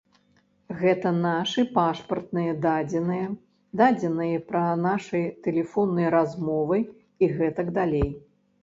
Гэта нашы пашпартныя дадзеныя, дадзеныя пра нашы тэлефонныя размовы і гэтак далей.